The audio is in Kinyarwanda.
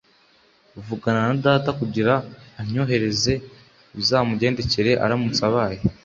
vugana na data kugirango antyohereze. bizamugendekera aramutse abaye